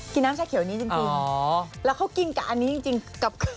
น้ำชาเขียวนี้จริงแล้วเขากินกับอันนี้จริงกับ